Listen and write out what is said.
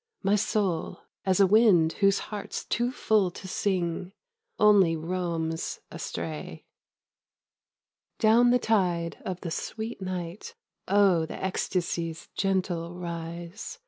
My soul, as a wind Whose heart's too full to sing, Only roams astray .., Down the tide of the sweet night (O the ecstasy's gentle rise !)